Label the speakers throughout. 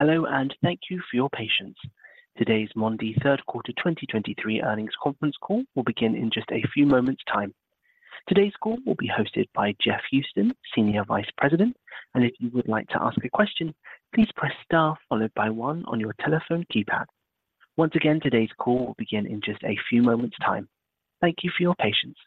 Speaker 1: Hello, and thank you for your patience. Today's Mondee Third Quarter 2023 Earnings Conference Call will begin in just a few moments' time. Today's call will be hosted by Jeff Houston, Senior Vice President, and if you would like to ask a question, please press Star followed by one on your telephone keypad. Once again, today's call will begin in just a few moments' time. Thank you for your patience.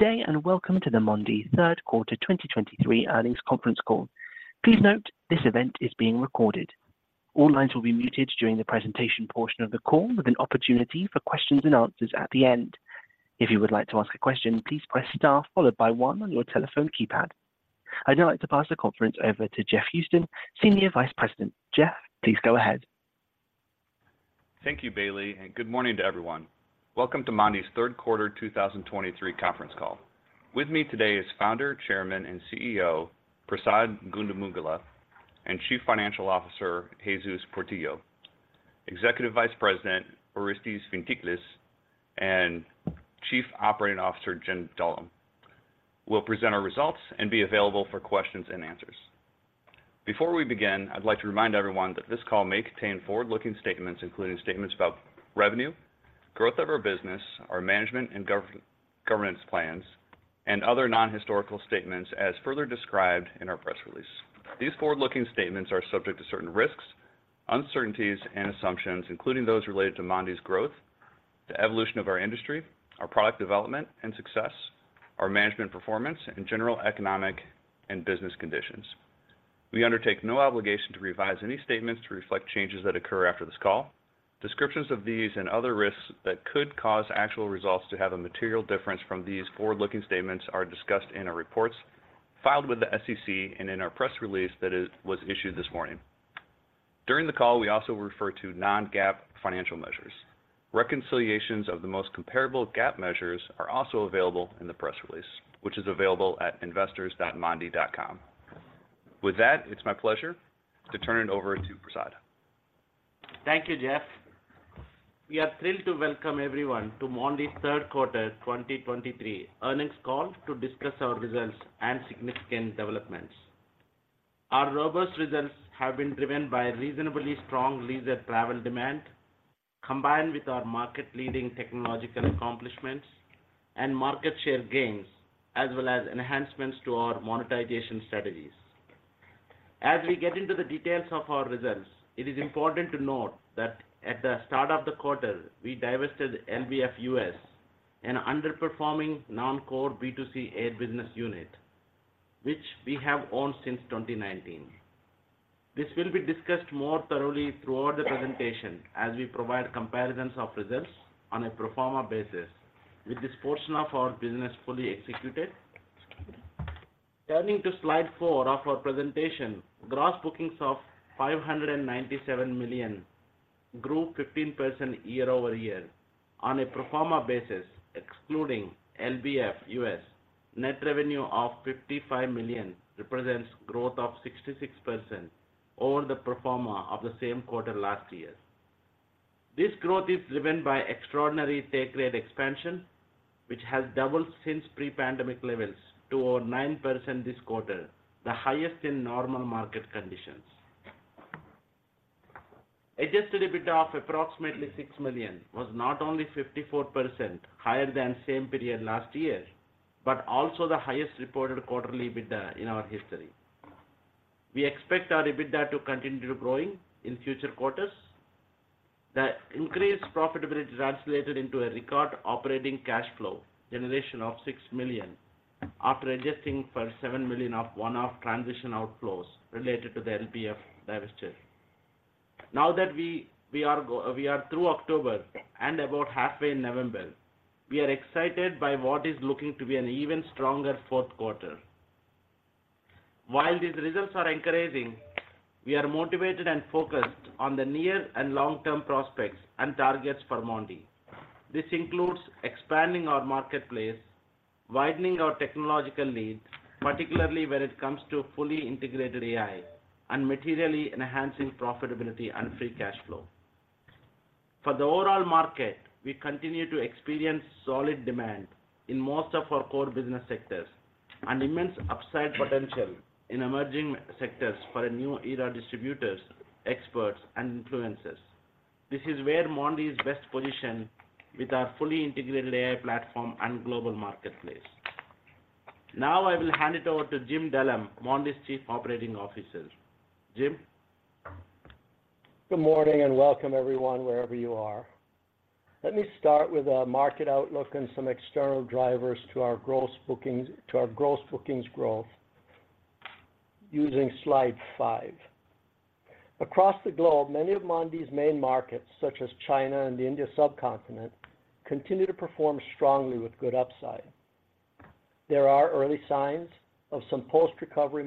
Speaker 1: Good day, and welcome to the Mondee third quarter 2023 earnings conference call. Please note, this event is being recorded. All lines will be muted during the presentation portion of the call, with an opportunity for questions and answers at the end. If you would like to ask a question, please press Star followed by one on your telephone keypad. I'd now like to pass the conference over to Jeff Houston, Senior Vice President. Jeff, please go ahead.
Speaker 2: Thank you, Bailey, and good morning to everyone. Welcome to Mondee's third quarter 2023 conference call. With me today is Founder, Chairman, and CEO, Prasad Gundumogula, and Chief Financial Officer, Jesus Portillo, Executive Vice President, Orestes Fintiklis, and Chief Operating Officer, Jim Dullum. We'll present our results and be available for questions and answers. Before we begin, I'd like to remind everyone that this call may contain forward-looking statements, including statements about revenue, growth of our business, our management and governance plans, and other non-historical statements, as further described in our press release. These forward-looking statements are subject to certain risks, uncertainties and assumptions, including those related to Mondee's growth, the evolution of our industry, our product development and success, our management performance, and general economic and business conditions. We undertake no obligation to revise any statements to reflect changes that occur after this call. Descriptions of these and other risks that could cause actual results to have a material difference from these forward-looking statements are discussed in our reports filed with the SEC and in our press release that was issued this morning. During the call, we also refer to non-GAAP financial measures. Reconciliations of the most comparable GAAP measures are also available in the press release, which is available at investors.mondee.com. With that, it's my pleasure to turn it over to Prasad.
Speaker 3: Thank you, Jeff. We are thrilled to welcome everyone to Mondee's third quarter 2023 earnings call to discuss our results and significant developments. Our robust results have been driven by reasonably strong leisure travel demand, combined with our market-leading technological accomplishments and market share gains, as well as enhancements to our monetization strategies. As we get into the details of our results, it is important to note that at the start of the quarter, we divested LBF US, an underperforming non-core B2C air business unit, which we have owned since 2019. This will be discussed more thoroughly throughout the presentation as we provide comparisons of results on a pro forma basis, with this portion of our business fully executed. Turning to slide 4 of our presentation, gross bookings of $597 million grew 15% year-over-year. On a pro forma basis, excluding LBF US, net revenue of $55 million represents growth of 66% over the pro forma of the same quarter last year. This growth is driven by extraordinary take rate expansion, which has doubled since pre-pandemic levels to over 9% this quarter, the highest in normal market conditions. Adjusted EBITDA of approximately $6 million was not only 54% higher than same period last year, but also the highest reported quarterly EBITDA in our history. We expect our EBITDA to continue growing in future quarters. The increased profitability translated into a record operating cash flow generation of $6 million, after adjusting for $7 million of one-off transition outflows related to the LBF divestiture. Now that we are through October and about halfway in November, we are excited by what is looking to be an even stronger fourth quarter. While these results are encouraging, we are motivated and focused on the near and long-term prospects and targets for Mondee. This includes expanding our marketplace, widening our technological leads, particularly when it comes to fully integrated AI, and materially enhancing profitability and free cash flow. For the overall market, we continue to experience solid demand in most of our core business sectors and immense upside potential in emerging sectors for a New Era distributors, experts, and influencers. This is where Mondee is best positioned with our fully integrated AI platform and global marketplace. Now I will hand it over to Jim Dullum, Mondee's Chief Operating Officer. Jim?
Speaker 4: Good morning, and welcome everyone, wherever you are. Let me start with a market outlook and some external drivers to our gross bookings, to our gross bookings growth, using slide five. Across the globe, many of Mondee's main markets, such as China and the Indian subcontinent, continue to perform strongly with good upside. There are early signs of some post-recovery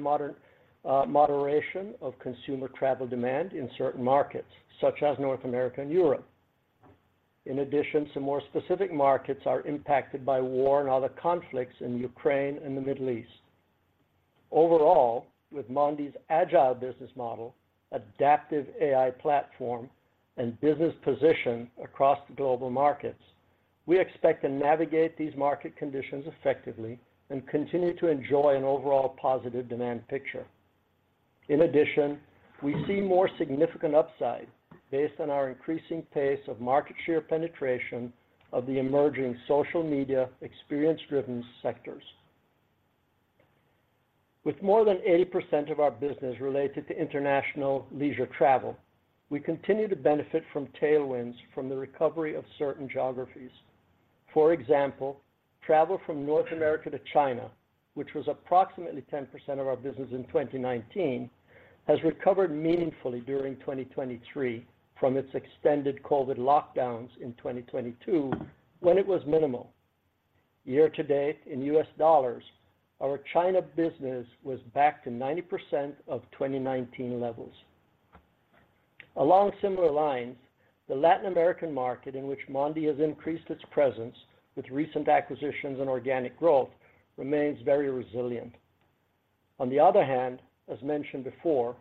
Speaker 4: moderation of consumer travel demand in certain markets, such as North America and Europe. In addition, some more specific markets are impacted by war and other conflicts in Ukraine and the Middle East. Overall, with Mondee's agile business model, adaptive AI platform, and business position across the global markets, we expect to navigate these market conditions effectively and continue to enjoy an overall positive demand picture. In addition, we see more significant upside based on our increasing pace of market share penetration of the emerging social media experience-driven sectors. With more than 80% of our business related to international leisure travel, we continue to benefit from tailwinds from the recovery of certain geographies. For example, travel from North America to China, which was approximately 10% of our business in 2019, has recovered meaningfully during 2023 from its extended COVID lockdowns in 2022, when it was minimal. Year to date, in US dollars, our China business was back to 90% of 2019 levels. Along similar lines, the Latin American market, in which Mondee has increased its presence with recent acquisitions and organic growth, remains very resilient. On the other hand, as mentioned before,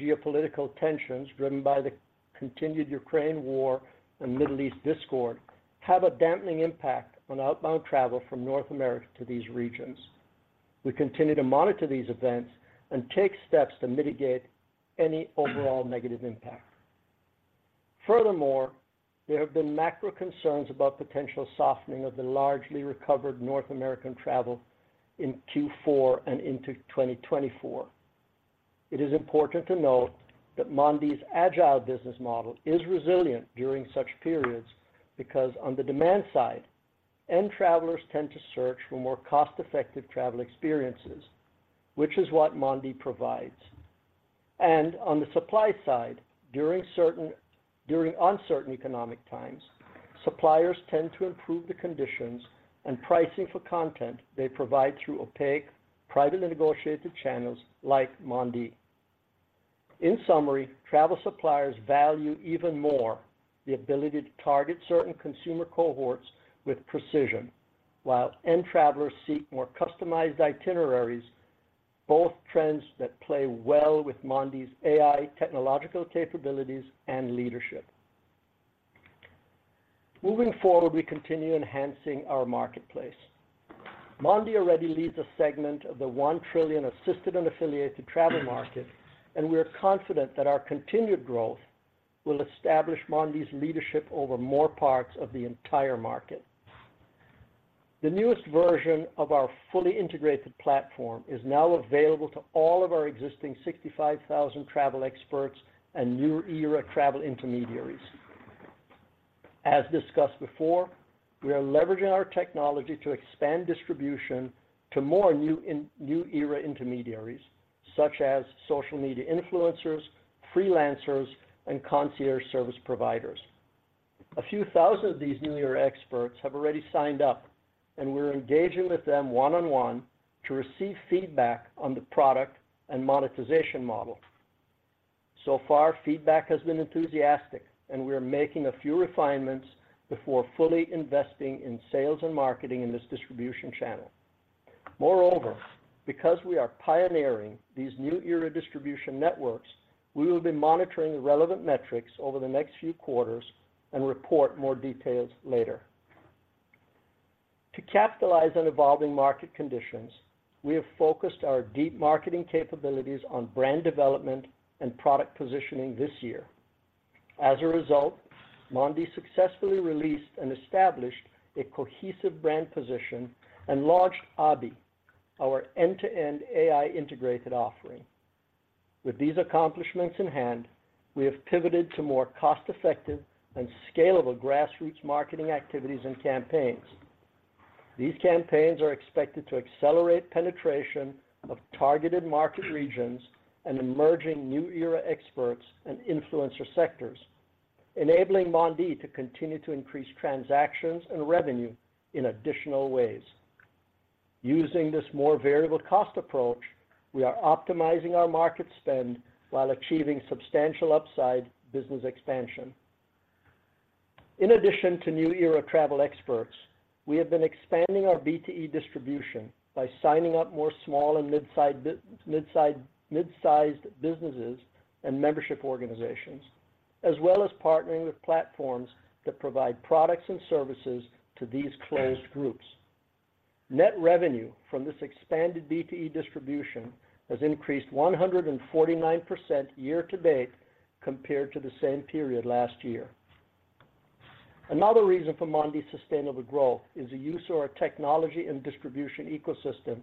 Speaker 4: geopolitical tensions driven by the continued Ukraine war and Middle East discord have a dampening impact on outbound travel from North America to these regions. We continue to monitor these events and take steps to mitigate any overall negative impact. Furthermore, there have been macro concerns about potential softening of the largely recovered North American travel in Q4 and into 2024. It is important to note that Mondee's agile business model is resilient during such periods because on the demand side, end travelers tend to search for more cost-effective travel experiences, which is what Mondee provides. And on the supply side, during uncertain economic times, suppliers tend to improve the conditions and pricing for content they provide through opaque, privately negotiated channels like Mondee. In summary, travel suppliers value even more the ability to target certain consumer cohorts with precision, while end travelers seek more customized itineraries, both trends that play well with Mondee's AI technological capabilities and leadership. Moving forward, we continue enhancing our marketplace. Mondee already leads a segment of the 1 trillion assisted and affiliated travel market, and we are confident that our continued growth will establish Mondee's leadership over more parts of the entire market. The newest version of our fully integrated platform is now available to all of our existing 65,000 travel experts and New Era travel intermediaries. As discussed before, we are leveraging our technology to expand distribution to more New Era intermediaries, such as social media influencers, freelancers, and concierge service providers. A few thousand of these New Era experts have already signed up, and we're engaging with them one-on-one to receive feedback on the product and monetization model. So far, feedback has been enthusiastic, and we are making a few refinements before fully investing in sales and marketing in this distribution channel. Moreover, because we are pioneering these New Era distribution networks, we will be monitoring the relevant metrics over the next few quarters and report more details later. To capitalize on evolving market conditions, we have focused our deep marketing capabilities on brand development and product positioning this year. As a result, Mondee successfully released and established a cohesive brand position and launched Abhi, our end-to-end AI integrated offering. With these accomplishments in hand, we have pivoted to more cost-effective and scalable grassroots marketing activities and campaigns. These campaigns are expected to accelerate penetration of targeted market regions and emerging New Era experts and influencer sectors, enabling Mondee to continue to increase transactions and revenue in additional ways. Using this more variable cost approach, we are optimizing our market spend while achieving substantial upside business expansion. In addition to New Era travel experts, we have been expanding our B2E distribution by signing up more small and mid-sized businesses and membership organizations, as well as partnering with platforms that provide products and services to these closed groups. Net revenue from this expanded B2E distribution has increased 149% year-to-date compared to the same period last year. Another reason for Mondee's sustainable growth is the use of our technology and distribution ecosystem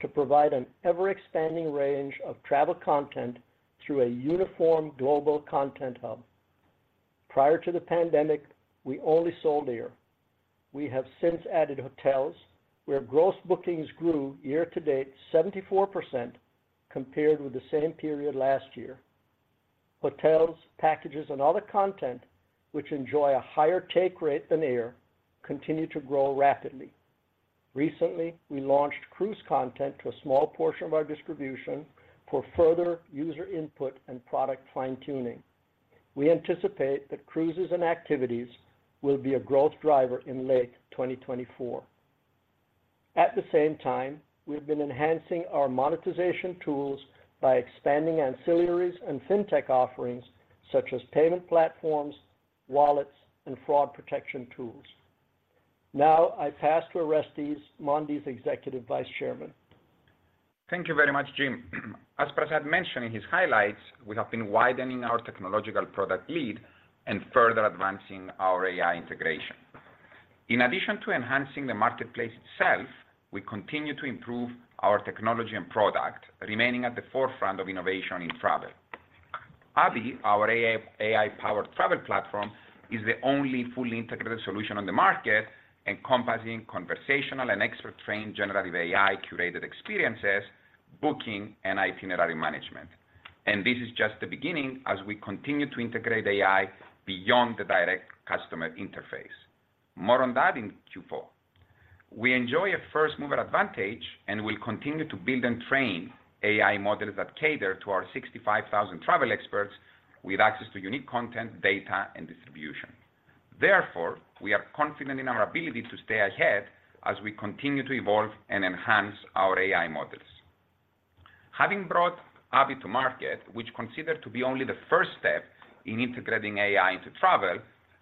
Speaker 4: to provide an ever-expanding range of travel content through a uniform global content hub. Prior to the pandemic, we only sold air. We have since added hotels, where gross bookings grew year-to-date 74% compared with the same period last year. Hotels, packages, and other content, which enjoy a higher take rate than air, continue to grow rapidly. Recently, we launched cruise content to a small portion of our distribution for further user input and product fine-tuning. We anticipate that cruises and activities will be a growth driver in late 2024. At the same time, we've been enhancing our monetization tools by expanding ancillaries and fintech offerings, such as payment platforms, wallets, and fraud protection tools. Now, I pass to Orestes, Mondee's Executive Vice Chairman.
Speaker 5: Thank you very much, Jim. As Prasad mentioned in his highlights, we have been widening our technological product lead and further advancing our AI integration. In addition to enhancing the marketplace itself, we continue to improve our technology and product, remaining at the forefront of innovation in travel. Abhi, our AI-powered travel platform, is the only fully integrated solution on the market, encompassing conversational and expert-trained generative AI, curated experiences, booking, and itinerary management. And this is just the beginning as we continue to integrate AI beyond the direct customer interface. More on that in Q4. We enjoy a first-mover advantage, and we'll continue to build and train AI models that cater to our 65,000 travel experts with access to unique content, data, and distribution. Therefore, we are confident in our ability to stay ahead as we continue to evolve and enhance our AI models. Having brought Abhi to market, which considered to be only the first step in integrating AI into travel,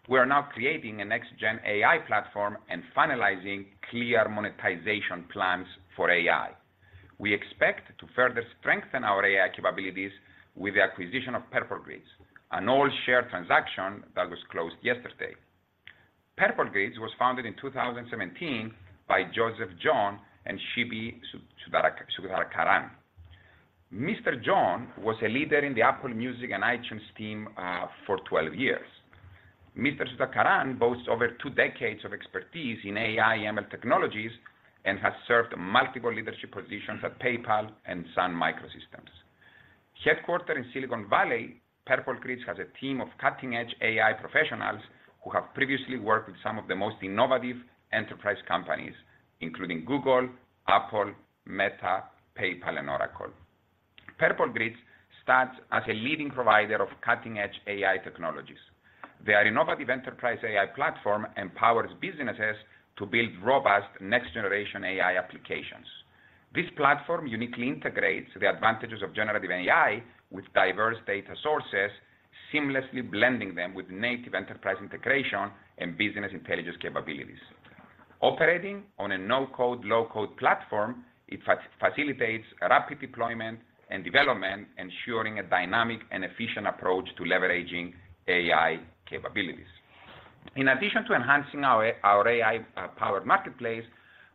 Speaker 5: we are now creating a next-gen AI platform and finalizing clear monetization plans for AI. We expect to further strengthen our AI capabilities with the acquisition of Purple Grids, an all-share transaction that was closed yesterday. Purple Grids was founded in 2017 by Joseph John and Shibi Sudhakaran. Mr. John was a leader in the Apple Music and iTunes team for 12 years. Mr. Sudhakaran boasts over two decades of expertise in AI, ML technologies, and has served multiple leadership positions at PayPal and Sun Microsystems. Headquartered in Silicon Valley, Purple Grids has a team of cutting-edge AI professionals who have previously worked with some of the most innovative enterprise companies, including Google, Apple, Meta, PayPal, and Oracle. Purple Grids stands as a leading provider of cutting-edge AI technologies. Their innovative enterprise AI platform empowers businesses to build robust next-generation AI applications. This platform uniquely integrates the advantages of generative AI with diverse data sources, seamlessly blending them with native enterprise integration and business intelligence capabilities. Operating on a no-code, low-code platform, it facilitates rapid deployment and development, ensuring a dynamic and efficient approach to leveraging AI capabilities. In addition to enhancing our AI powered marketplace,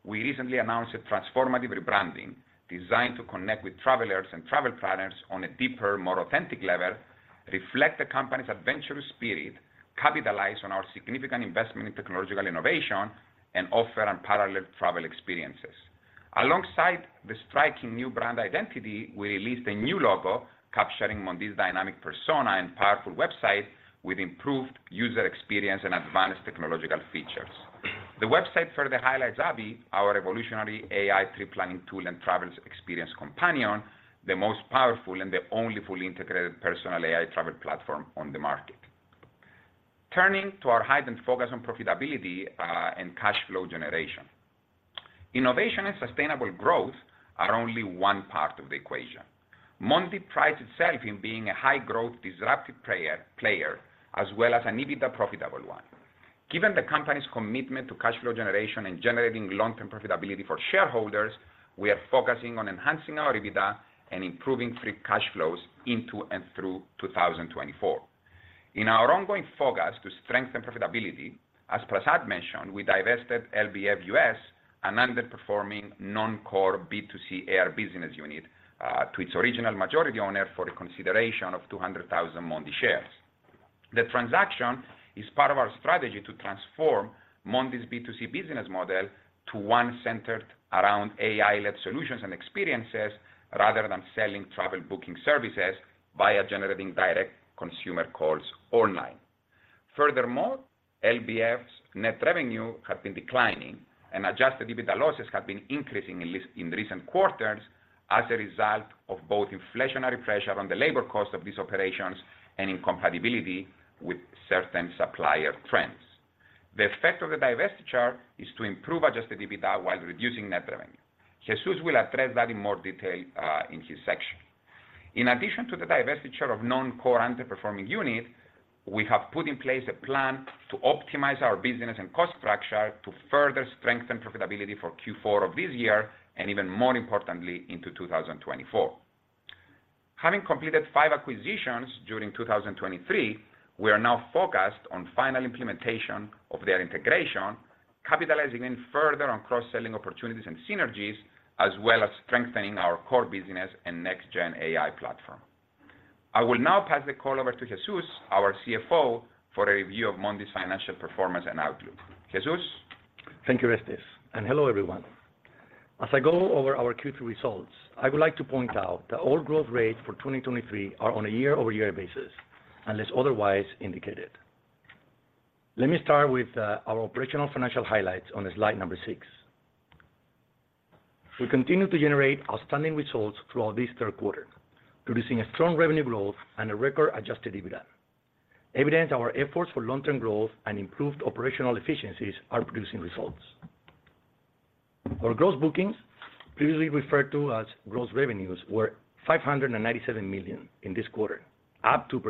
Speaker 5: we recently announced a transformative rebranding designed to connect with travelers and travel partners on a deeper, more authentic level, reflect the company's adventurous spirit, capitalize on our significant investment in technological innovation, and offer unparalleled travel experiences. Alongside the striking new brand identity, we released a new logo capturing Mondee's dynamic persona and powerful website with improved user experience and advanced technological features. The website further highlights Abhi, our evolutionary AI trip planning tool and travel experience companion, the most powerful and the only fully integrated personal AI travel platform on the market. Turning to our heightened focus on profitability and cash flow generation. Innovation and sustainable growth are only one part of the equation. Mondee prides itself in being a high-growth, disruptive player, as well as an EBITDA profitable one. Given the company's commitment to cash flow generation and generating long-term profitability for shareholders, we are focusing on enhancing our EBITDA and improving free cash flows into and through 2024. In our ongoing focus to strengthen profitability, as Prasad mentioned, we divested LBF US, an underperforming non-core B2C air business unit, to its original majority owner for a consideration of 200,000 Mondee shares. The transaction is part of our strategy to transform Mondee's B2C business model to one centered around AI-led solutions and experiences, rather than selling travel booking services via generating direct consumer calls online. Furthermore, LBF's net revenue has been declining, and Adjusted EBITDA losses have been increasing in recent quarters as a result of both inflationary pressure on the labor cost of these operations, and incompatibility with certain supplier trends. The effect of the divestiture is to improve Adjusted EBITDA while reducing net revenue. Jesus will address that in more detail in his section. In addition to the divestiture of non-core underperforming unit, we have put in place a plan to optimize our business and cost structure to further strengthen profitability for Q4 of this year, and even more importantly, into 2024. Having completed 5 acquisitions during 2023, we are now focused on final implementation of their integration, capitalizing even further on cross-selling opportunities and synergies, as well as strengthening our core business and next-gen AI platform. I will now pass the call over to Jesus, our CFO, for a review of Mondee's financial performance and outlook. Jesus?
Speaker 6: Thank you, Efthimios, and hello, everyone. As I go over our Q3 results, I would like to point out that all growth rates for 2023 are on a year-over-year basis, unless otherwise indicated. Let me start with our operational financial highlights on slide 6. We continued to generate outstanding results throughout this third quarter, producing a strong revenue growth and a record Adjusted EBITDA, evidence that our efforts for long-term growth and improved operational efficiencies are producing results. Our gross bookings, previously referred to as gross revenues, were $597 million in this quarter, up 2%.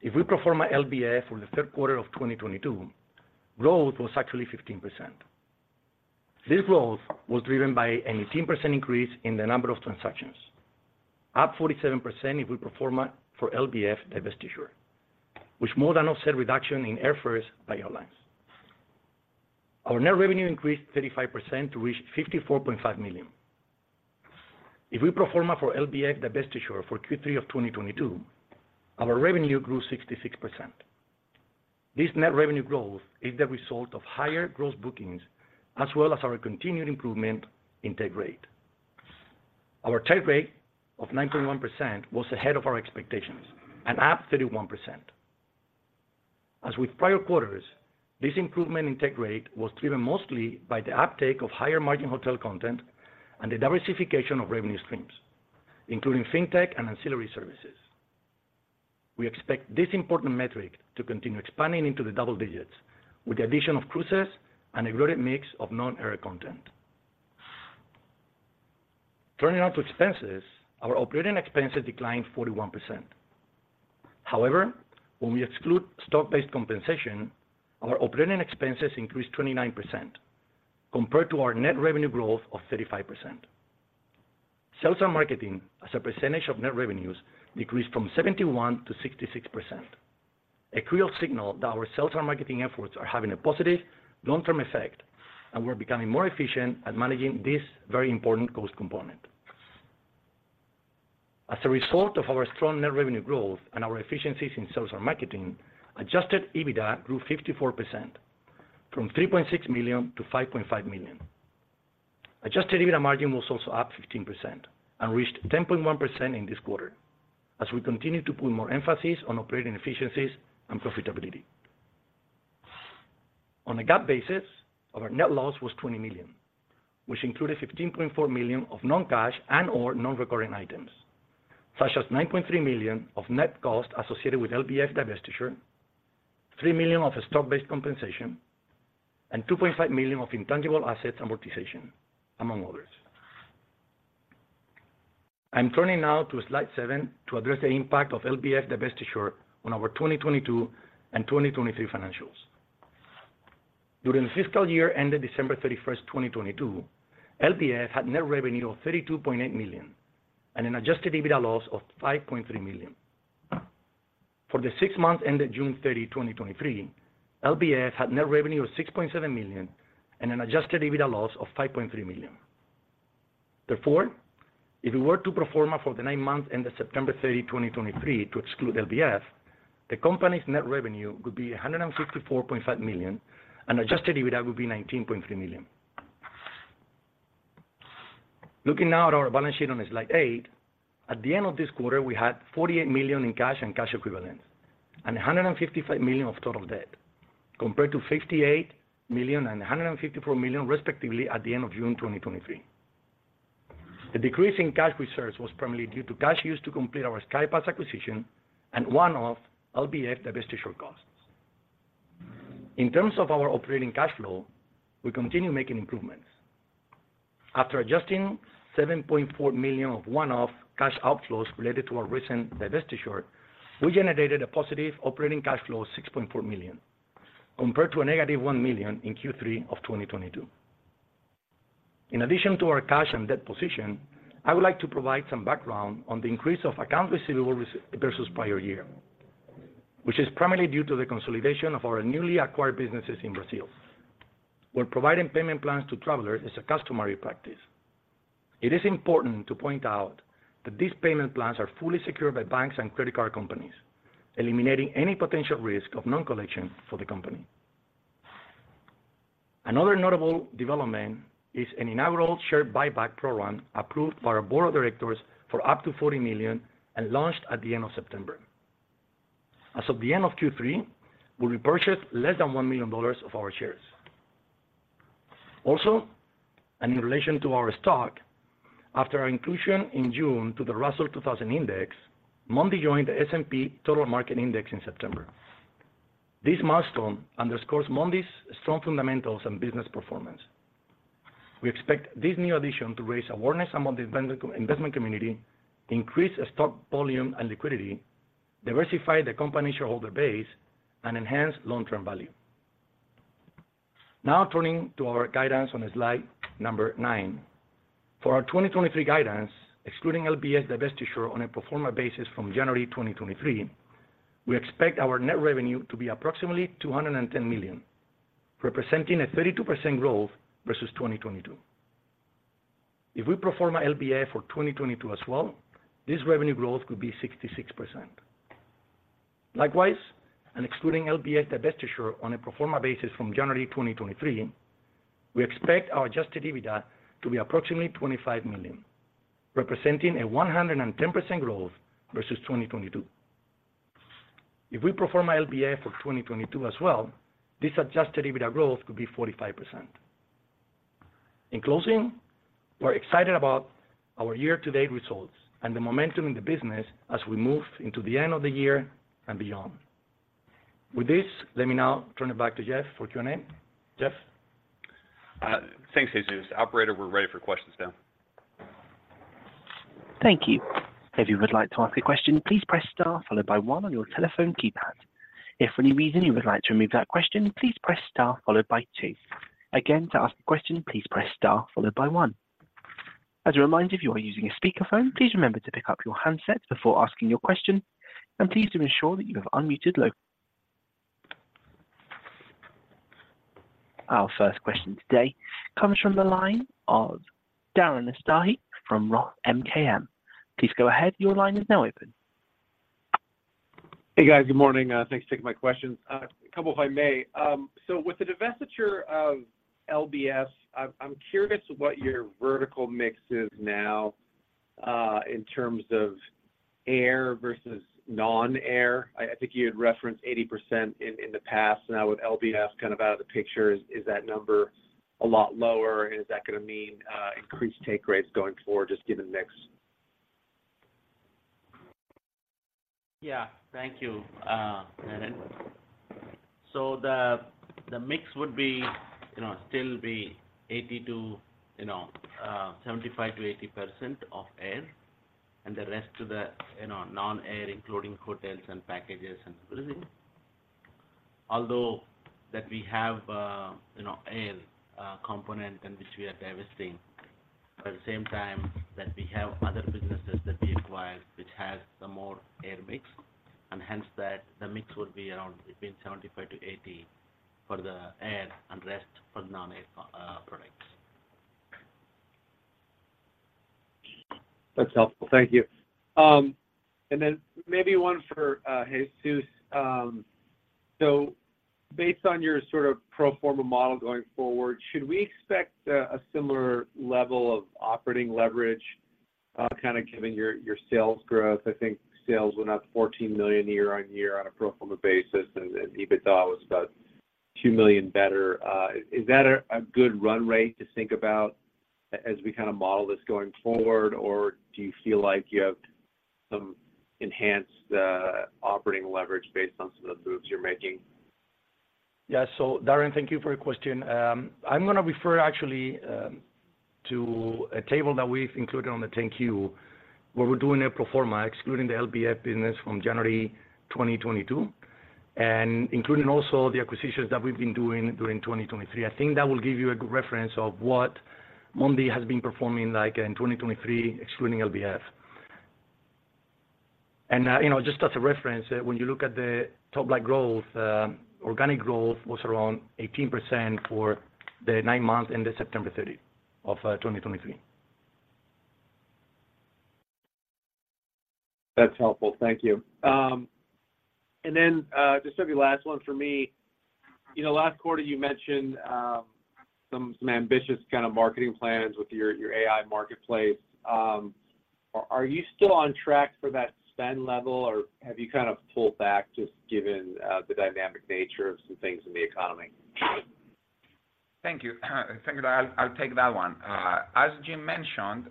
Speaker 6: If we pro forma LBF for the third quarter of 2022, growth was actually 15%. This growth was driven by an 18% increase in the number of transactions, up 47% if we pro forma for LBF divestiture, which more than offset reduction in airfares by airlines. Our net revenue increased 35% to reach $54.5 million. If we pro forma for LBF divestiture for Q3 of 2022, our revenue grew 66%. This net revenue growth is the result of higher gross bookings, as well as our continued improvement in take rate. Our take rate of 9.1% was ahead of our expectations, and up 31%. As with prior quarters, this improvement in take rate was driven mostly by the uptake of higher margin hotel content and the diversification of revenue streams, including fintech and ancillary services. We expect this important metric to continue expanding into the double digits, with the addition of cruises and a growing mix of non-air content. Turning now to expenses, our operating expenses declined 41%. However, when we exclude stock-based compensation, our operating expenses increased 29% compared to our net revenue growth of 35%. Sales and marketing, as a percentage of net revenues, decreased from 71%-66%, a clear signal that our sales and marketing efforts are having a positive long-term effect, and we're becoming more efficient at managing this very important cost component. As a result of our strong net revenue growth and our efficiencies in sales and marketing, Adjusted EBITDA grew 54%, from $3.6 million to $5.5 million. Adjusted EBITDA margin was also up 15% and reached 10.1% in this quarter, as we continue to put more emphasis on operating efficiencies and profitability. On a GAAP basis, our net loss was $20 million, which included $15.4 million of non-cash and/or non-recurring items, such as $9.3 million of net costs associated with LBF divestiture, $3 million of stock-based compensation, and $2.5 million of intangible assets amortization, among others. I'm turning now to slide 7 to address the impact of LBF divestiture on our 2022 and 2023 financials. During the fiscal year ended December 31, 2022, LBF had net revenue of $32.8 million, and an Adjusted EBITDA loss of $5.3 million. For the 6 months ended June 30, 2023, LBF had net revenue of $6.7 million and an Adjusted EBITDA loss of $5.3 million. Therefore, if we were to pro forma for the 9 months ended September 30, 2023 to exclude LBF, the company's net revenue would be $164.5 million, and Adjusted EBITDA would be $19.3 million. Looking now at our balance sheet on slide 8, at the end of this quarter, we had $48 million in cash and cash equivalents, and $155 million of total debt, compared to $58 million and $154 million, respectively, at the end of June 2023. The decrease in cash reserves was primarily due to cash used to complete our Skypass acquisition and one-off LBF divestiture costs. In terms of our operating cash flow, we continue making improvements. After adjusting $7.4 million of one-off cash outflows related to our recent divestiture, we generated a positive operating cash flow of $6.4 million, compared to a negative $1 million in Q3 of 2022. In addition to our cash and debt position, I would like to provide some background on the increase of accounts receivable versus prior year, which is primarily due to the consolidation of our newly acquired businesses in Brazil, where providing payment plans to travelers is a customary practice. It is important to point out that these payment plans are fully secured by banks and credit card companies, eliminating any potential risk of non-collection for the company. Another notable development is an inaugural share buyback program, approved by our board of directors for up to 40 million, and launched at the end of September. As of the end of Q3, we repurchased less than $1 million of our shares. Also, and in relation to our stock, after our inclusion in June to the Russell 2000 Index, Mondee joined the S&P Total Market Index in September. This milestone underscores Mondee's strong fundamentals and business performance. We expect this new addition to raise awareness among the investment, investment community, increase stock volume and liquidity, diversify the company shareholder base, and enhance long-term value. Now turning to our guidance on slide number 9. For our 2023 guidance, excluding LBF divestiture on a pro forma basis from January 2023, we expect our net revenue to be approximately $210 million, representing a 32% growth versus 2022. If we pro forma LBF for 2022 as well, this revenue growth could be 66%. Likewise, excluding LBF divestiture on a pro forma basis from January 2023, we expect our Adjusted EBITDA to be approximately $25 million, representing a 110% growth versus 2022. If we pro forma LBF for 2022 as well, this Adjusted EBITDA growth could be 45%. In closing, we're excited about our year-to-date results and the momentum in the business as we move into the end of the year and beyond. With this, let me now turn it back to Jeff for Q&A. Jeff?
Speaker 2: Thanks, Jesus. Operator, we're ready for questions now.
Speaker 1: Thank you. If you would like to ask a question, please press Star followed by one on your telephone keypad. If for any reason you would like to remove that question, please press Star followed by two. Again, to ask a question, please press Star followed by one. As a reminder, if you are using a speakerphone, please remember to pick up your handset before asking your question, and please do ensure that you have unmuted. Our first question today comes from the line of Darren Aftahi from Roth MKM. Please go ahead. Your line is now open.
Speaker 7: Hey, guys. Good morning. Thanks for taking my questions. A couple, if I may. So with the divestiture of LBF, I'm curious what your vertical mix is now, in terms of air versus non-air. I think you had referenced 80% in the past. Now, with LBF kind of out of the picture, is that number a lot lower, and is that gonna mean increased take rates going forward, just given the mix?
Speaker 5: Yeah. Thank you, Darren. So the, the mix would be, you know, still be 80 to, you know, 75 to 80% of air, and the rest to the, you know, non-air, including hotels and packages and cruising. Although, that we have, you know, air, component and which we are divesting, but at the same time, that we have other businesses that we acquired, which has a more air mix, and hence that the mix would be around between 75-80 for the air and rest for non-air, products.
Speaker 7: That's helpful. Thank you. And then maybe one for Jesus. So based on your sort of pro forma model going forward, should we expect a similar level of operating leverage, kinda given your sales growth? I think sales were up $14 million year-over-year on a pro forma basis, and EBITDA was about $2 million better. Is that a good run rate to think about as we kinda model this going forward? Or do you feel like you have some enhanced operating leverage based on some of the moves you're making?
Speaker 6: Yeah. So Darren, thank you for your question. I'm gonna refer actually to a table that we've included on the 10-Q, where we're doing a pro forma, excluding the LBF business from January 2022, and including also the acquisitions that we've been doing during 2023. I think that will give you a good reference of what Mondee has been performing like in 2023, excluding LBF. And, you know, just as a reference, when you look at the top line growth, organic growth was around 18% for the nine months in the September 30 of 2023.
Speaker 7: That's helpful. Thank you. And then, just maybe last one for me. You know, last quarter you mentioned some ambitious kinda marketing plans with your AI marketplace. Are you still on track for that spend level, or have you kind of pulled back, just given the dynamic nature of some things in the economy?
Speaker 5: Thank you. Thank you. I'll, I'll take that one. As Jim mentioned,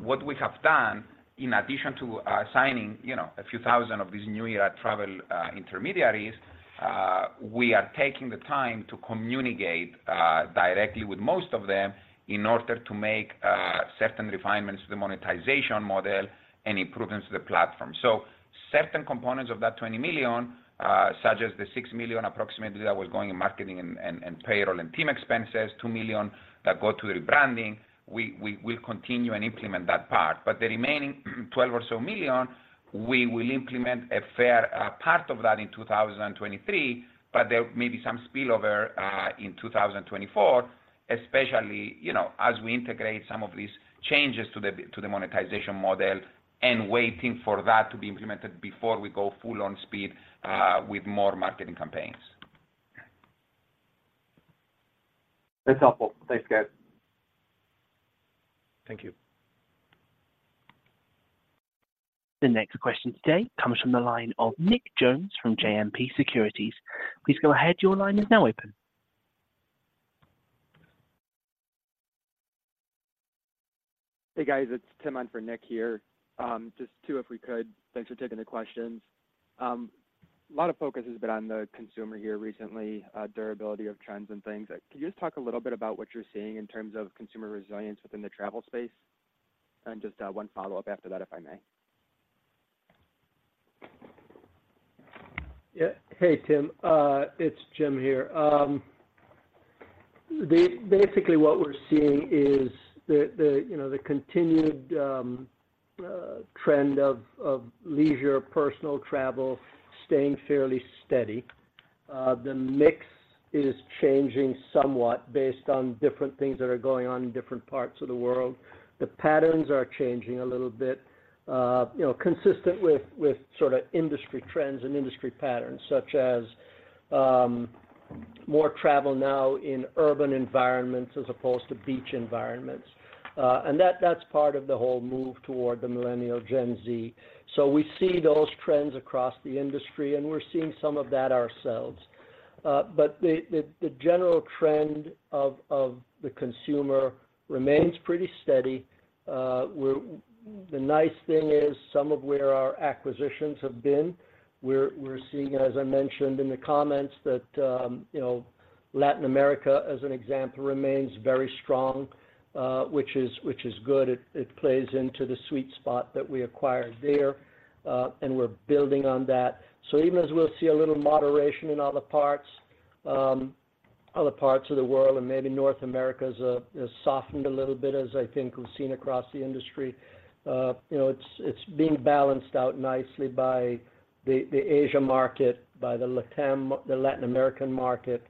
Speaker 5: what we have done, in addition to signing, you know, a few thousand of these New Era travel intermediaries, we are taking the time to communicate directly with most of them in order to make certain refinements to the monetization model and improvements to the platform. So certain components of that $20 million, such as the $6 million, approximately, that was going in marketing and payroll and team expenses, $2 million that go to rebranding, we'll continue and implement that part. But the remaining, $12 million or so, we will implement a fair, part of that in 2023, but there may be some spillover, in 2024, especially, you know, as we integrate some of these changes to the, to the monetization model and waiting for that to be implemented before we go full on speed, with more marketing campaigns.
Speaker 8: That's helpful. Thanks, guys.
Speaker 5: Thank you.
Speaker 1: The next question today comes from the line of Nick Jones from JMP Securities. Please go ahead. Your line is now open.
Speaker 9: Hey, guys, it's Tim in for Nick here. Just two, if we could. Thanks for taking the questions. A lot of focus has been on the consumer year recently, durability of trends and things. Can you just talk a little bit about what you're seeing in terms of consumer resilience within the travel space? And just, one follow-up after that, if I may.
Speaker 4: Yeah. Hey, Tim, it's Jim here. Basically, what we're seeing is the, you know, the continued trend of leisure, personal travel, staying fairly steady. The mix is changing somewhat based on different things that are going on in different parts of the world. The patterns are changing a little bit, you know, consistent with sort of industry trends and industry patterns, such as more travel now in urban environments as opposed to beach environments. And that, that's part of the whole move toward the millennial Gen Z. So we see those trends across the industry, and we're seeing some of that ourselves. But the general trend of the consumer remains pretty steady. We're the nice thing is some of where our acquisitions have been, we're seeing, as I mentioned in the comments, that, you know, Latin America, as an example, remains very strong, which is good. It plays into the sweet spot that we acquired there, and we're building on that. So even as we'll see a little moderation in other parts of the world, and maybe North America's has softened a little bit as I think we've seen across the industry, you know, it's being balanced out nicely by the Asia market, by the LATAM, the Latin American market,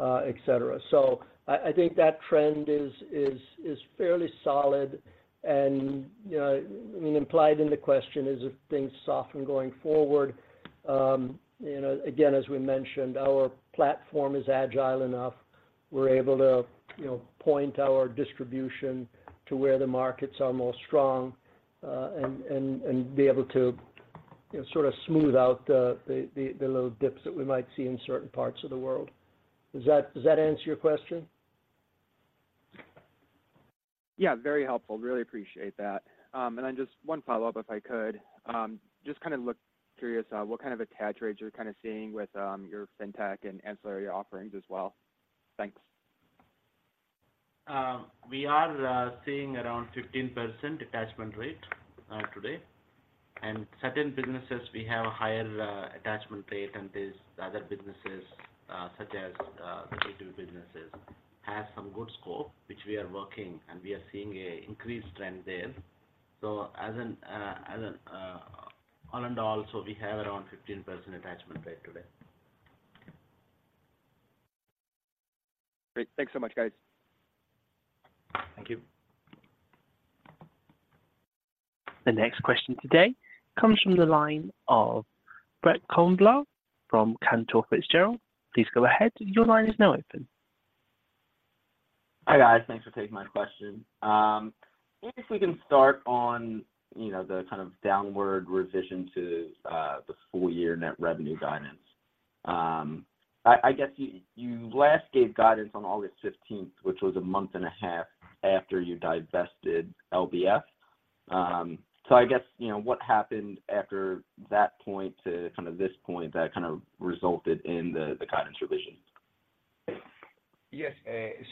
Speaker 4: et cetera. So I think that trend is fairly solid, and, you know, I mean, implied in the question is if things soften going forward, you know, again, as we mentioned, our platform is agile enough. We're able to, you know, point our distribution to where the markets are most strong, and be able to, you know, sort of smooth out the little dips that we might see in certain parts of the world. Does that answer your question?
Speaker 9: Yeah, very helpful. Really appreciate that. And then just one follow-up, if I could. Just kind of curious, what kind of attach rates you're kind of seeing with your fintech and ancillary offerings as well. Thanks.
Speaker 5: We are seeing around 15% attachment rate today. And certain businesses, we have a higher attachment rate, and these other businesses, such as the B2B businesses, have some good scope, which we are working, and we are seeing a increased trend there. So as in, as in, all in all, so we have around 15% attachment rate today.
Speaker 9: Great. Thanks so much, guys.
Speaker 5: Thank you.
Speaker 1: The next question today comes from the line of Brett Knoblauch from Cantor Fitzgerald. Please go ahead. Your line is now open.
Speaker 8: Hi, guys. Thanks for taking my question. Maybe if we can start on, you know, the kind of downward revision to the full year net revenue guidance. I guess you last gave guidance on August fifteenth, which was a month and a half after you divested LBF. So I guess, you know, what happened after that point to kind of this point that kind of resulted in the guidance revision?
Speaker 5: Yes,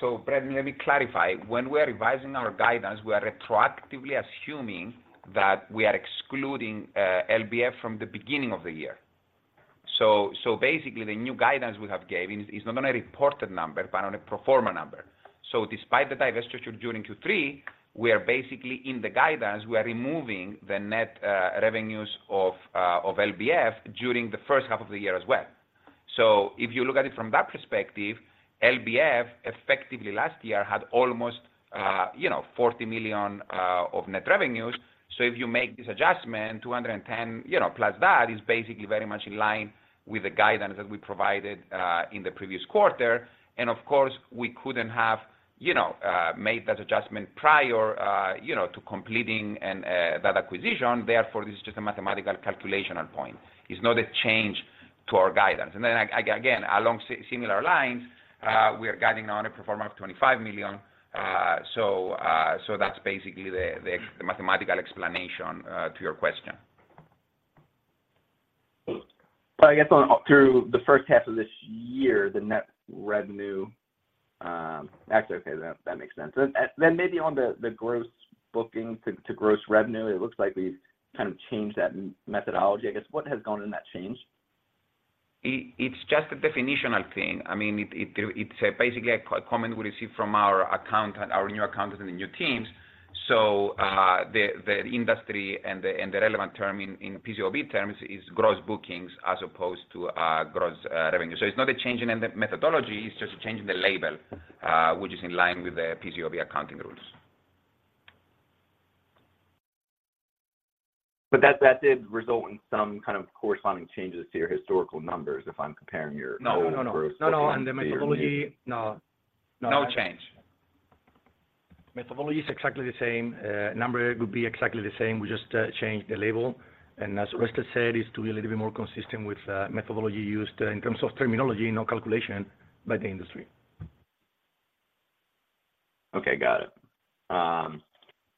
Speaker 5: so, Brett, let me clarify. When we are revising our guidance, we are retroactively assuming that we are excluding, LBF from the beginning of the year. So, basically, the new guidance we have gave is not only a reported number, but on a pro forma number. So despite the divestiture during Q3, we are basically in the guidance, we are removing the net revenues of LBF during the first half of the year as well. So if you look at it from that perspective, LBF effectively last year had almost, you know, $40 million of net revenues. So if you make this adjustment, $210 million, you know, plus that, is basically very much in line with the guidance that we provided, in the previous quarter. And of course, we couldn't have, you know, made that adjustment prior, you know, to completing and that acquisition. Therefore, this is just a mathematical calculational point. It's not a change to our guidance. And then again, along similar lines, we are guiding on a pro forma of $25 million. So, so that's basically the, the, the mathematical explanation to your question.
Speaker 8: But I guess on through the first half of this year, the net revenue... Actually, okay, that makes sense. And then maybe on the gross booking to gross revenue, it looks like we've kind of changed that methodology, I guess. What has gone in that change?
Speaker 5: It's just a definitional thing. I mean, it's basically a comment we received from our accountant, our new accountant in the new teams. So, the industry and the relevant term in PCAOB terms is gross bookings as opposed to gross revenue. So it's not a change in the methodology, it's just a change in the label, which is in line with the PCAOB accounting rules.
Speaker 8: But that did result in some kind of corresponding changes to your historical numbers, if I'm comparing your-
Speaker 6: No, no, no. No, no, and the methodology. No.
Speaker 8: No change?
Speaker 6: Methodology is exactly the same. Number would be exactly the same. We just changed the label, and as Orestes said, is to be a little bit more consistent with methodology used in terms of terminology, no calculation by the industry.
Speaker 8: Okay, got it.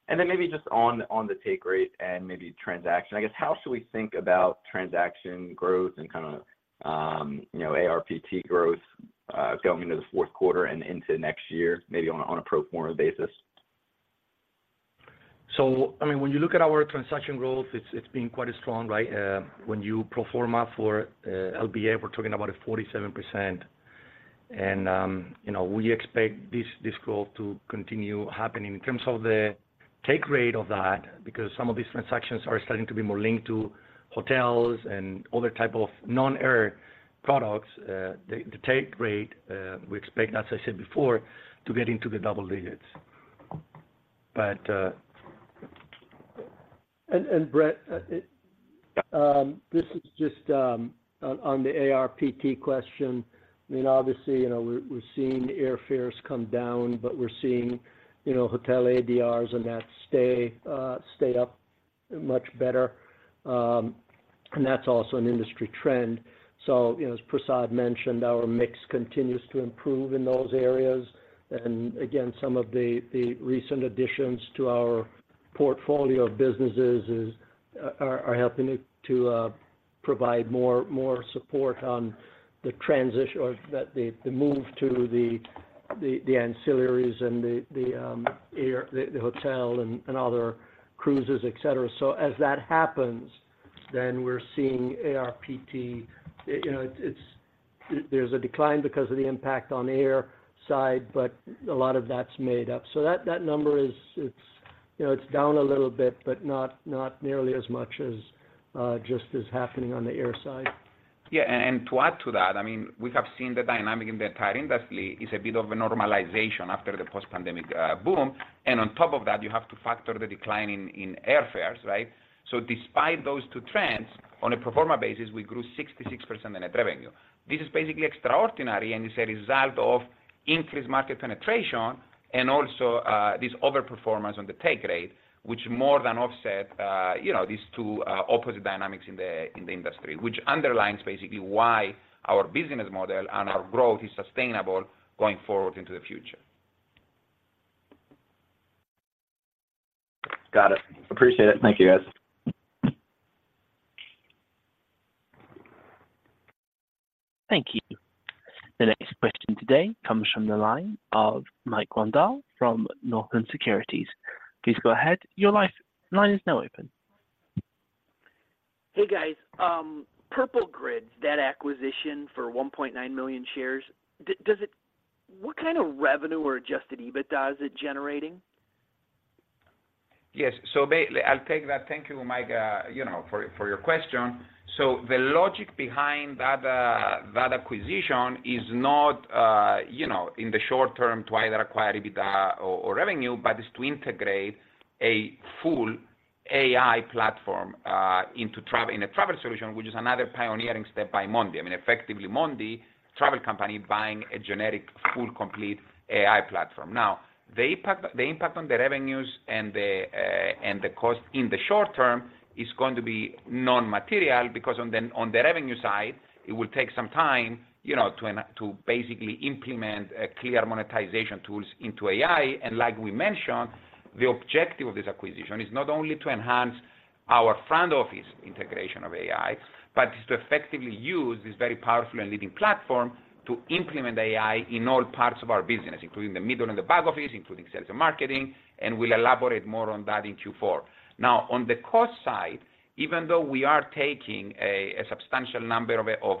Speaker 8: And then maybe just on, on the take rate and maybe transaction, I guess, how should we think about transaction growth and kind of, you know, ARPT growth, going into the fourth quarter and into next year, maybe on a, on a pro forma basis?
Speaker 6: So, I mean, when you look at our transaction growth, it's been quite strong, right? When you pro forma for LBF, we're talking about a 47%. And you know, we expect this growth to continue happening. In terms of the take rate of that, because some of these transactions are starting to be more linked to hotels and other type of non-air products, the take rate we expect, as I said before, to get into the double digits. But-
Speaker 4: And Brett, this is just on the ARPT question. I mean, obviously, you know, we're seeing airfares come down, but we're seeing, you know, hotel ADRs, and that stayed up much better, and that's also an industry trend. So, you know, as Prasad mentioned, our mix continues to improve in those areas. And again, some of the recent additions to our portfolio of businesses are helping to provide more support on the transition or that the move to the ancillaries and the air, the hotel and other cruises, et cetera. So as that happens, then we're seeing ARPT, you know, there's a decline because of the impact on air side, but a lot of that's made up. So that number is, it's, you know, it's down a little bit, but not nearly as much as just is happening on the air side.
Speaker 5: Yeah, and to add to that, I mean, we have seen the dynamic in the entire industry is a bit of a normalization after the post-pandemic boom. And on top of that, you have to factor the decline in airfares, right? So despite those two trends, on a pro forma basis, we grew 66% in the revenue. This is basically extraordinary, and it's a result of increased market penetration and also this overperformance on the take rate, which more than offset, you know, these two opposite dynamics in the industry, which underlines basically why our business model and our growth is sustainable going forward into the future.
Speaker 8: Got it. Appreciate it. Thank you, guys.
Speaker 1: Thank you. The next question today comes from the line of Mike Grondahl from Northland Securities. Please go ahead. Your line is now open.
Speaker 10: Hey, guys. Purple Grids, that acquisition for 1.9 million shares, does it—what kind of revenue or Adjusted EBITDA is it generating?
Speaker 5: Yes. So I'll take that. Thank you, Mike, you know, for your question. So the logic behind that, that acquisition is not, you know, in the short term to either acquire EBITDA or revenue, but is to integrate a full AI platform into travel, in a travel solution, which is another pioneering step by Mondee. I mean, effectively, Mondee Travel Company buying a generic, full, complete AI platform. Now, the impact, the impact on the revenues and the cost in the short term is going to be non-material, because on the revenue side, it will take some time, you know, to basically implement a clear monetization tools into AI. Like we mentioned, the objective of this acquisition is not only to enhance our front office integration of AI, but is to effectively use this very powerful and leading platform to implement AI in all parts of our business, including the middle and the back office, including sales and marketing, and we'll elaborate more on that in Q4. Now, on the cost side, even though we are taking a substantial number of,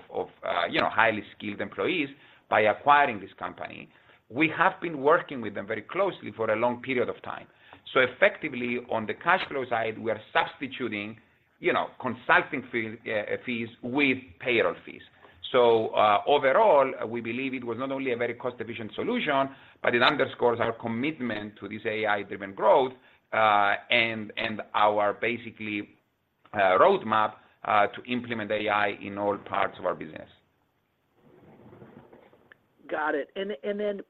Speaker 5: you know, highly skilled employees by acquiring this company, we have been working with them very closely for a long period of time. So effectively, on the cash flow side, we are substituting, you know, consulting fees with payroll fees. Overall, we believe it was not only a very cost-efficient solution, but it underscores our commitment to this AI-driven growth, and our basically roadmap to implement AI in all parts of our business.
Speaker 10: Got it. And then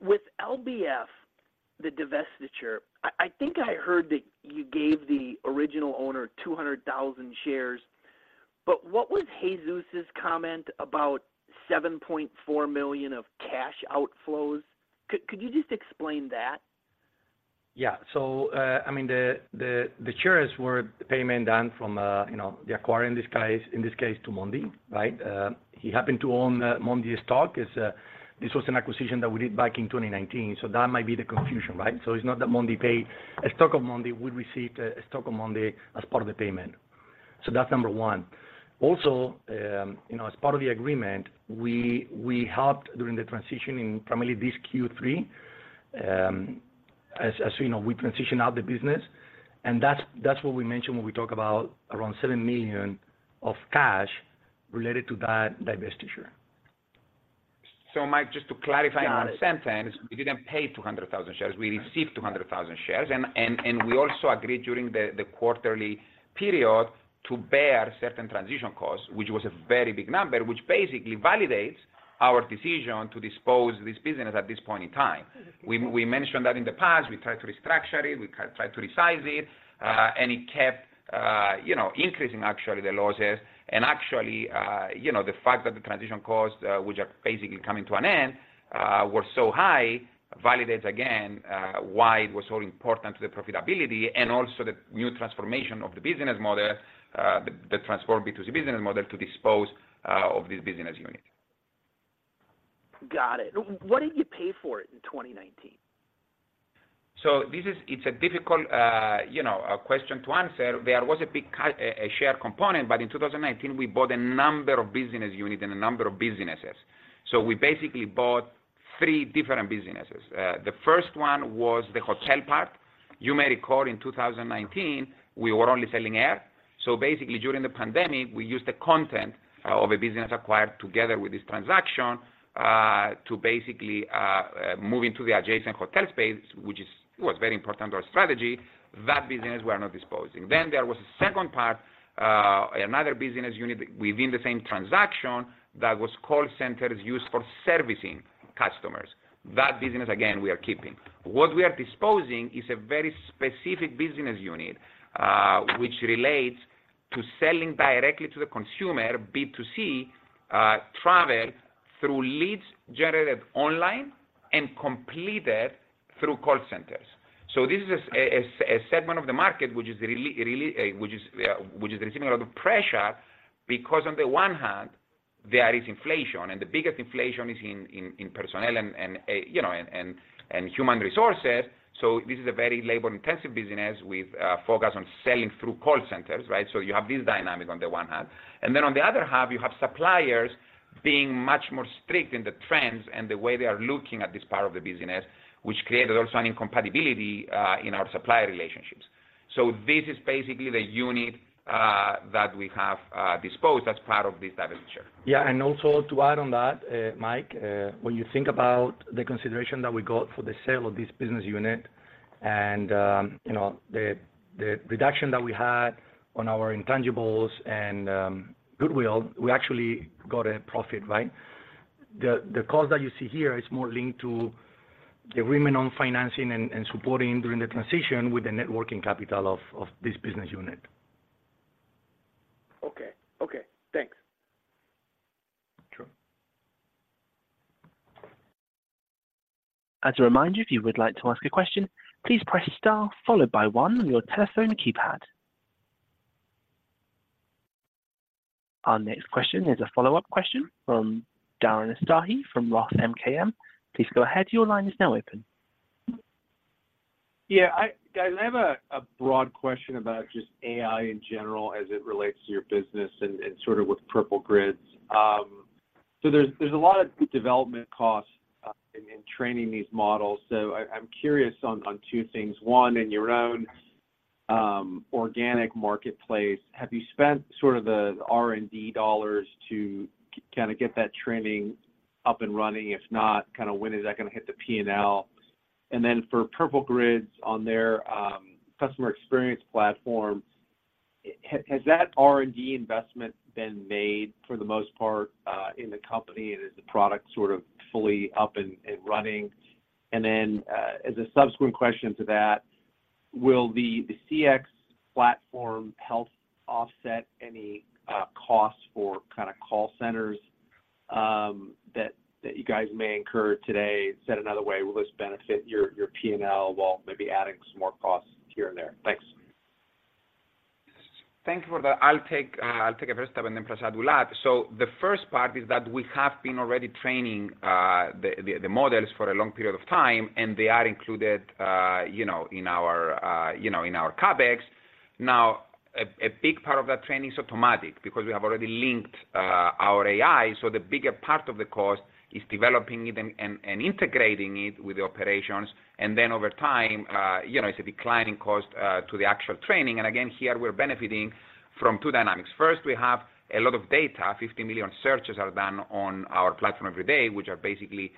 Speaker 10: with LBF, the divestiture, I think I heard that you gave the original owner 200,000 shares, but what was Jesus's comment about $7.4 million of cash outflows? Could you just explain that?
Speaker 6: Yeah. So, I mean, the, the, the shares were payment done from, you know, the acquiring this case, in this case to Mondee, right? He happened to own, Mondee's stock. It's, this was an acquisition that we did back in 2019, so that might be the confusion, right? So it's not that Mondee paid. A stock of Mondee would receive a stock of Mondee as part of the payment. So that's number one. Also, you know, as part of the agreement, we, we helped during the transition in primarily this Q3, as, as you know, we transition out the business, and that's, that's what we mentioned when we talk about around $7 million of cash related to that divestiture.
Speaker 5: So Mike, just to clarify on one sentence, we didn't pay 200,000 shares, we received 200,000 shares. And we also agreed during the quarterly period to bear certain transition costs, which was a very big number, which basically validates our decision to dispose this business at this point in time. We mentioned that in the past, we tried to restructure it, we tried to resize it, and it kept, you know, increasing actually the losses. And actually, you know, the fact that the transition costs, which are basically coming to an end, were so high, validates again, why it was so important to the profitability and also the new transformation of the business model, the transform B2C business model to dispose, of this business unit.
Speaker 10: Got it. What did you pay for it in 2019?
Speaker 5: This is a difficult, you know, question to answer. There was a big cut, a share component, but in 2019, we bought a number of business units and a number of businesses. We basically bought three different businesses. The first one was the hotel part. You may recall in 2019, we were only selling air. Basically, during the pandemic, we used the content of a business acquired together with this transaction to basically move into the adjacent hotel space, which is, was very important to our strategy. That business we are not disposing. Then there was a second part, another business unit within the same transaction that was call centers used for servicing customers. That business, again, we are keeping. What we are disposing is a very specific business unit, which relates to selling directly to the consumer, B2C, travel through leads generated online and completed through call centers. So this is a segment of the market which is really, really, which is receiving a lot of pressure, because on the one hand, there is inflation, and the biggest inflation is in personnel and, you know, human resources. So this is a very labor-intensive business with a focus on selling through call centers, right? So you have this dynamic on the one hand. And then on the other hand, you have suppliers being much more strict in the trends and the way they are looking at this part of the business, which created also an incompatibility in our supplier relationships. This is basically the unit that we have disposed as part of this divestiture.
Speaker 6: Yeah, and also to add on that, Mike, when you think about the consideration that we got for the sale of this business unit and, you know, the, the reduction that we had on our intangibles and, goodwill, we actually got a profit, right? The, the cost that you see here is more linked to the agreement on financing and, and supporting during the transition with the net working capital of, of this business unit.
Speaker 10: Okay. Okay, thanks.
Speaker 6: Sure.
Speaker 1: As a reminder, if you would like to ask a question, please press star followed by one on your telephone keypad. Our next question is a follow-up question from Darren Aftahi from Roth MKM. Please go ahead. Your line is now open.
Speaker 7: Yeah, guys, I have a broad question about just AI in general as it relates to your business and sort of with Purple Grids. So there's a lot of development costs in training these models. So I'm curious on two things. One, in your own organic marketplace, have you spent sort of the R&D dollars to kind of get that training up and running? If not, kind of when is that gonna hit the P&L? And then for Purple Grids on their customer experience platform, has that R&D investment been made for the most part in the company, and is the product sort of fully up and running? And then, as a subsequent question to that, will the CX platform help offset any costs for kind of call centers that you guys may incur today? Said another way, will this benefit your P&L while maybe adding some more costs here and there? Thanks.
Speaker 5: Thank you for that. I'll take a first step, and then Prasad Gundumogula. So the first part is that we have been already training the models for a long period of time, and they are included, you know, in our CapEx. Now, a big part of that training is automatic because we have already linked our AI, so the bigger part of the cost is developing it and integrating it with the operations. And then over time, you know, it's a declining cost to the actual training. And again, here, we're benefiting from two dynamics. First, we have a lot of data. 50 million searches are done on our platform every day, which are basically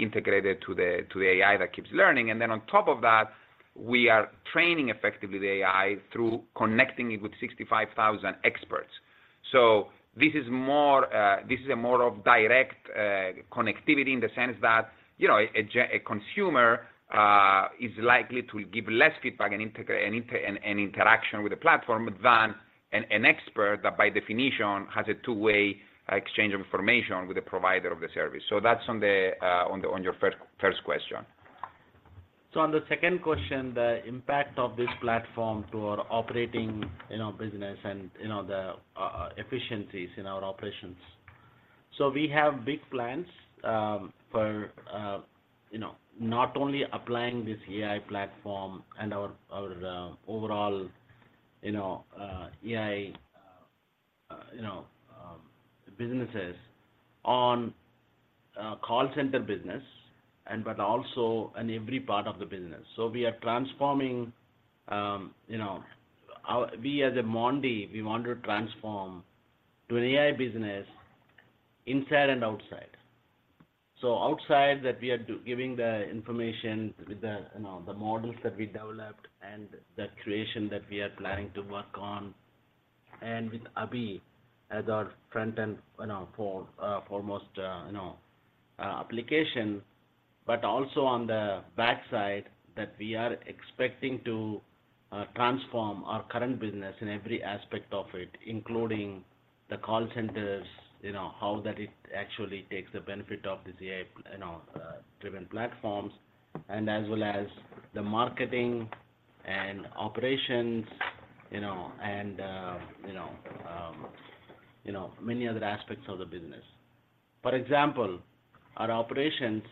Speaker 5: integrated to the AI that keeps learning. And then on top of that, we are training effectively the AI through connecting it with 65,000 experts. So this is more, this is more of a direct connectivity in the sense that, you know, a consumer is likely to give less feedback and integration and interaction with the platform than an expert that, by definition, has a two-way exchange of information with the provider of the service. So that's on your first question.
Speaker 3: So on the second question, the impact of this platform to our operating in our business and in our efficiencies in our operations. So we have big plans for you know, not only applying this AI platform and our overall you know AI you know businesses on call center business and but also in every part of the business. So we are transforming you know we as a Mondee, we want to transform to an AI business inside and outside. So outside that we are giving the information with the, you know, the models that we developed and the creation that we are planning to work on, and with Abhi as our front-end, you know, for, foremost, you know, you know, application. But also on the backside, that we are expecting to, transform our current business in every aspect of it, including the call centers, you know, how that it actually takes the benefit of this AI, you know, driven platforms, and as well as the marketing and operations, you know, and, you know, you know, many other aspects of the business. For example, our operations,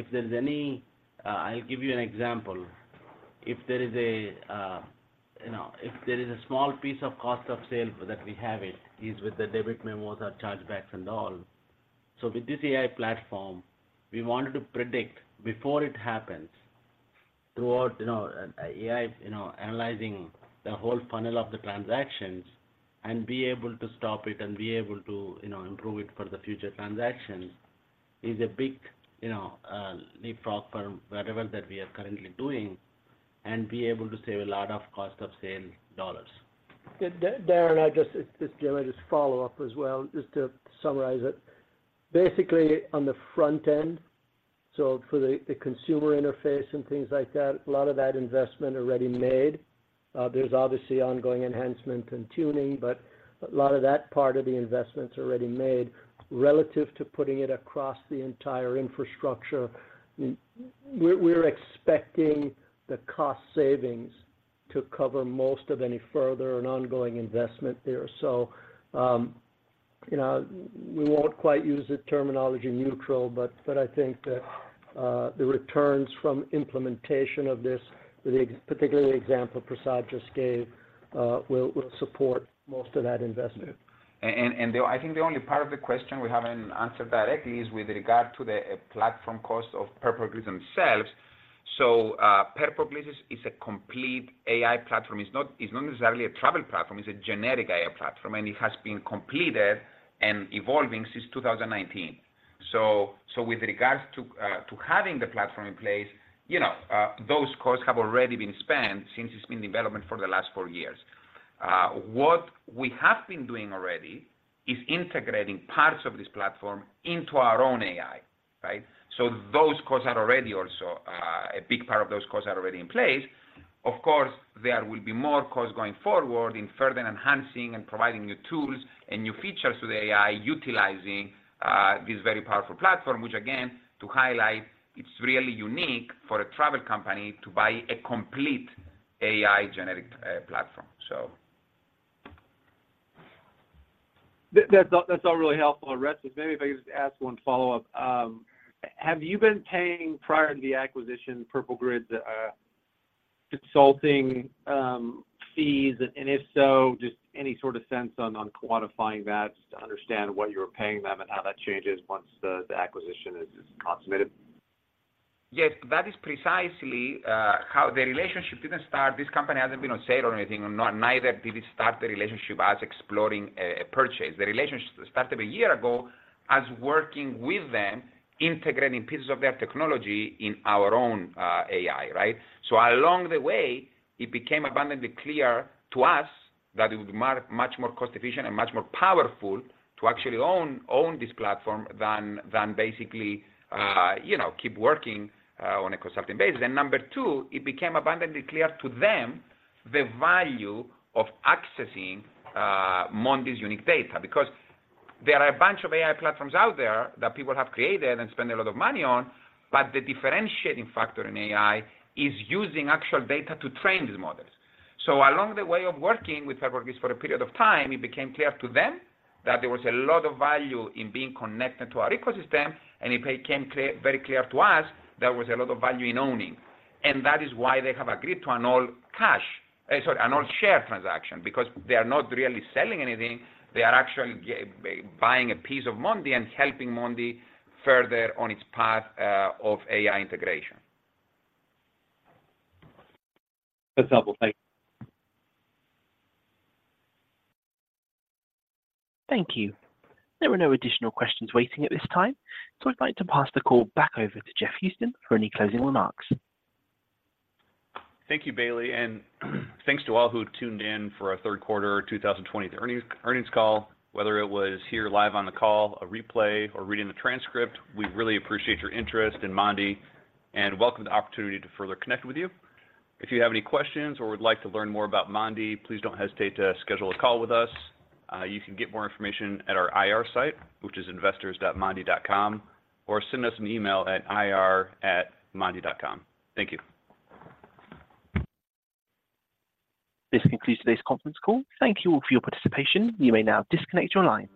Speaker 3: if there's any. I'll give you an example. If there is a, you know, if there is a small piece of cost of sale that we have, it is with the debit memos or chargebacks and all. So with this AI platform, we wanted to predict before it happens, towards, you know, AI, you know, analyzing the whole panel of the transactions and be able to stop it and be able to, you know, improve it for the future transactions, is a big, you know, leapfrog from whatever that we are currently doing and be able to save a lot of cost of sale dollars.
Speaker 4: Good. Darren, it's Jim. I just follow up as well, just to summarize it. Basically, on the front end, so for the consumer interface and things like that, a lot of that investment already made. There's obviously ongoing enhancement and tuning, but a lot of that part of the investment's already made. Relative to putting it across the entire infrastructure, we're expecting the cost savings to cover most of any further and ongoing investment there. So, you know, we won't quite use the terminology neutral, but I think that the returns from implementation of this, the particularly example Prasad just gave, will support most of that investment.
Speaker 3: I think the only part of the question we haven't answered directly is with regard to the platform cost of Purple Grids themselves. So Purple Grids is a complete AI platform. It's not necessarily a travel platform, it's a generic AI platform, and it has been completed and evolving since 2019. So with regards to having the platform in place, you know, those costs have already been spent since it's been in development for the last four years. What we have been doing already is integrating parts of this platform into our own AI, right? So those costs are already also, a big part of those costs are already in place.
Speaker 5: Of course, there will be more costs going forward in further enhancing and providing new tools and new features to the AI, utilizing this very powerful platform, which again, to highlight, it's really unique for a travel company to buy a complete AI generic platform, so.
Speaker 7: That's all, that's all really helpful, Orestes. Maybe if I could just ask one follow-up. Have you been paying, prior to the acquisition, Purple Grids' consulting fees? And if so, just any sort of sense on quantifying that, just to understand what you're paying them and how that changes once the acquisition is consummated?
Speaker 5: Yes, that is precisely how the relationship didn't start. This company hasn't been on sale or anything, or not, neither did it start the relationship as exploring a purchase. The relationship started a year ago as working with them, integrating pieces of their technology in our own AI, right? So along the way, it became abundantly clear to us that it would be much more cost efficient and much more powerful to actually own this platform than basically, you know, keep working on a consulting basis. And number two, it became abundantly clear to them the value of accessing Mondee's unique data. Because there are a bunch of AI platforms out there that people have created and spent a lot of money on, but the differentiating factor in AI is using actual data to train these models. So along the way of working with Purple Grids for a period of time, it became clear to them that there was a lot of value in being connected to our ecosystem, and it became clear—very clear to us there was a lot of value in owning. And that is why they have agreed to an all-cash, sorry, an all-share transaction, because they are not really selling anything, they are actually buying a piece of Mondee and helping Mondee further on its path of AI integration.
Speaker 7: That's helpful. Thank you.
Speaker 1: Thank you. There are no additional questions waiting at this time, so I'd like to pass the call back over to Jeff Houston for any closing remarks.
Speaker 2: Thank you, Bailey. And thanks to all who tuned in for our third quarter 2020 earnings call. Whether it was here live on the call, a replay, or reading the transcript, we really appreciate your interest in Mondee and welcome the opportunity to further connect with you. If you have any questions or would like to learn more about Mondee, please don't hesitate to schedule a call with us. You can get more information at our IR site, which is investors.mondee.com, or send us an email at ir@mondee.com. Thank you.
Speaker 1: This concludes today's conference call. Thank you all for your participation. You may now disconnect your line.